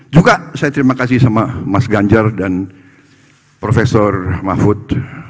juga saya terima kasih sama mas ganjar dan prof mahfud